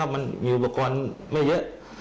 มันมีอุปกรณ์ไม่เยอะ